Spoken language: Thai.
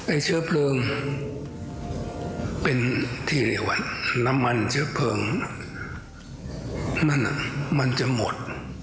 ไอ้เชื้อเพลิงเป็นที่เหลือน้ำมันเชื้อเพลิงนั่นมันจะหมด